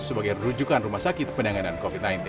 sebagai rujukan rumah sakit penanganan covid sembilan belas